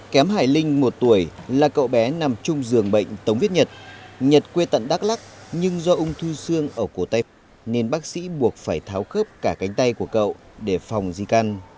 kém hải linh một tuổi là cậu bé nằm chung giường bệnh tống viết nhật nhật quê tận đắk lắc nhưng do ung thư xương ở cổ tay nên bác sĩ buộc phải tháo khớp cả cánh tay của cậu để phòng di căn